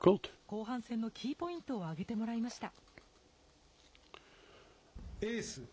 後半戦のキーポイントを挙げてもらいました。